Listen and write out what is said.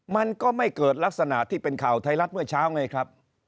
มันก็ไม่เกิดลักษณะที่เป็นข่าวไทยรัฐเมื่อเช้าไงครับ